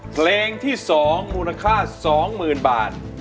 เพลงที่๒มูลค่า๒๐๐๐บาท